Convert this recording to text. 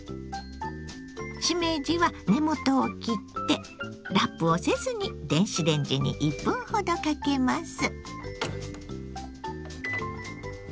しめじは根元を切ってラップをせずに電子レンジに１分ほどかけます。